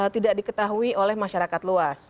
tidak diketahui oleh masyarakat luas